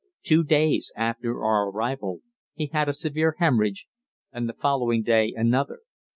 Two days after our arrival he had a severe hemorrhage, and the following day another.